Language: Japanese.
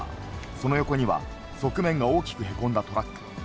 その横には、側面が大きくへこんだトラック。